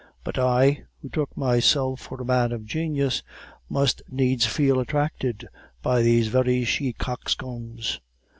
But I, who took myself for a man of genius, must needs feel attracted by these very she coxcombs.